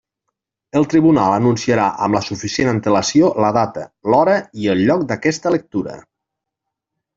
El tribunal anunciarà amb la suficient antelació la data, l'hora i el lloc d'aquesta lectura.